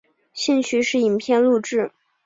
兴趣是影片录制。